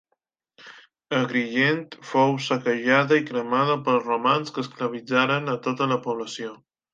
Agrigent fou saquejada i cremada pels romans, que esclavitzaren a tota la població.